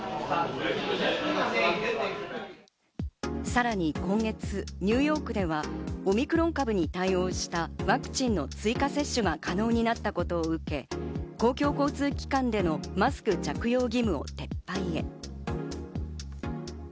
さらに今月、ニューヨークではオミクロン株に対応したワクチンの追加接種が可能になったことを受け、公共交通機関でのマスク着用義務を撤廃へ。